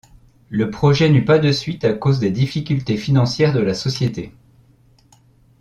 Le projet n'eut pas de suite à cause des difficultés financières de la société.